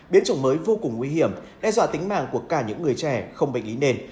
biến chủng mới vô cùng nguy hiểm đe dọa tính mạng của cả những người trẻ không bệnh lý nền